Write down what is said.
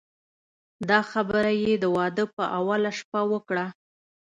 دا خبره یې د واده په اوله شپه وکړه.